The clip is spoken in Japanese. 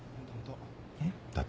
えっ？